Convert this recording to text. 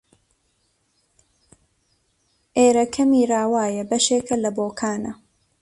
ئێرەکە میراوایە بەشێکە لە بۆکانە